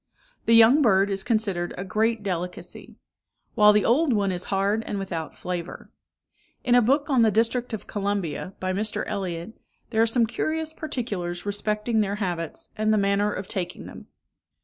The young bird is considered a great delicacy; while the old one is hard and without flavour. In a book on the District of Columbia, by Mr. Elliott, there are some curious particulars respecting their habits, and the manner of taking them.